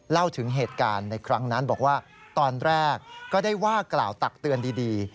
เล่าถึงเหตุการณ์ในครั้งนั้นบอกว่าตอนแรกก็ได้ว่ากล่าวตักเตือนดี